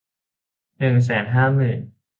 หนึ่งแสนห้าหมื่น